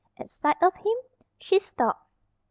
At sight of him she stopped.